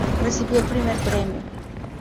Recibió el primer premio.